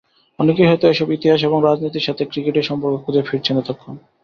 অনেকেই হয়তো এসব ইতিহাস এবং রাজনীতির সাথে ক্রিকেটীয় সম্পর্ক খুঁজে ফিরছেন এতক্ষণ।